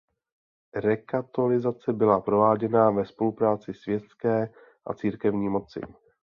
Rekatolizace byla prováděna ve spolupráci světské a církevní moci.